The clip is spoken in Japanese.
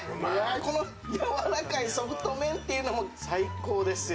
このやわらかいソフト麺っていうのも最高ですよ。